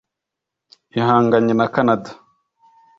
Ihanganye na Canada